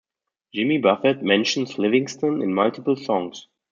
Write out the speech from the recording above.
Jimmy Buffett mentions Livingston in multiple songs.